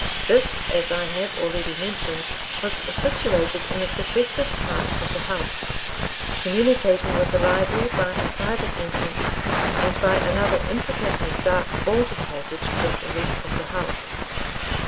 This, as I have already mentioned, was situated in a sequestered part of the house, communicating with the library by a private entrance, and by another intricate and dark vaulted passage with the rest of the house.